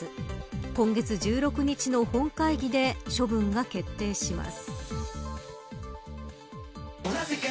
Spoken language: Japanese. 今月１６日の本会議で処分が決定します。